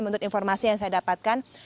menurut informasi yang saya dapatkan